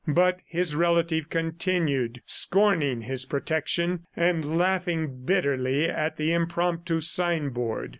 But his relative continued scorning his protection, and laughing bitterly at the impromptu signboard.